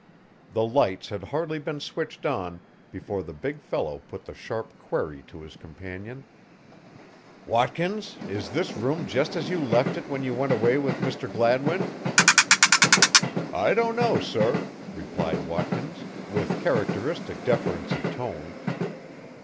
The lights had hardly been switched on before the big fellow put the sharp query to his companion: "Watkins, is this room just as you left it when you went away with Mr. Gladwin?" "I don't know, sir," replied Watkins, with characteristic deference of tone.